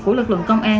của lực lượng công an